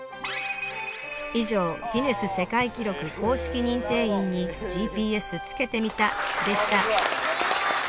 以上ギネス世界記録公式認定員にＧＰＳつけてみたでした